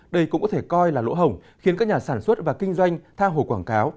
đây cũng có thể coi là lỗ hổng khiến các nhà sản xuất và kinh doanh tha hồ quảng cáo